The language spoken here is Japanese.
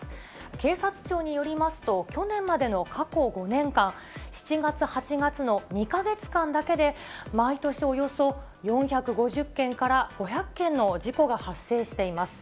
警察庁によりますと、去年までの過去５年間、７月、８月の２か月間だけで、毎年およそ４５０件から５００件の事故が発生しています。